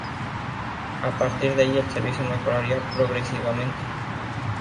A partir de allí el servicio mejoraría progresivamente.